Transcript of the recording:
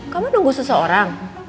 kamu nunggu seseorang